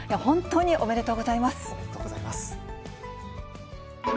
おめでとうございます。